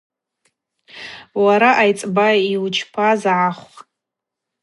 Уара айцӏба йучпаз гӏахв.